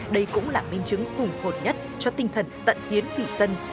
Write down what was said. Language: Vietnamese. đây cũng là minh chứng cùng hột nhất cho tinh thần tận hiến vị dân